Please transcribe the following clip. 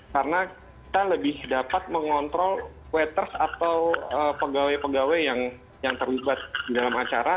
karena kita lebih dapat mengontrol queueter atau pegawai pegawai yang terlibat di dalam acara